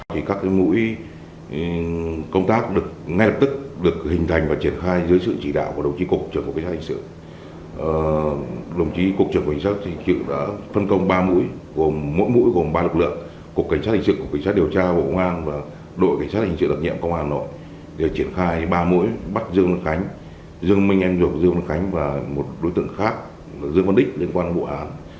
thì các cái mũi công tác được ngay lập tức được hình thành và triển khai dưới sự chỉ đạo của đồng chí cục trưởng của cảnh sát hình sự đồng chí cục trưởng của cảnh sát hình sự đã phân công ba mũi mỗi mũi gồm ba lực lượng cục cảnh sát hình sự cục cảnh sát điều tra bộ ngoan và đội cảnh sát hình sự đặc nhiệm công an nội để triển khai ba mũi bắt dương văn khánh dương minh em dục dương văn khánh và một đối tượng khác là dương văn đích liên quan bộ án